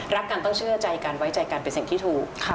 รักกันต้องเชื่อใจกันไว้ใจกันเป็นสิ่งที่ถูก